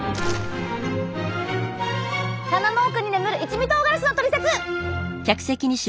棚の奥に眠る一味とうがらしのトリセツ！